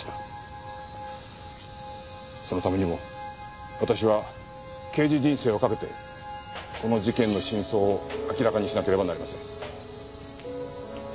そのためにも私は刑事人生をかけてこの事件の真相を明らかにしなければなりません。